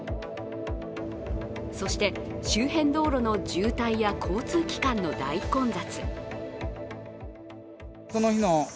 そして周辺道路の渋滞や交通機関の大混雑。